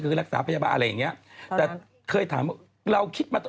หรือรักษาภายบาลอะไรอย่างนี้คือเธอคิดมาเราคิดมา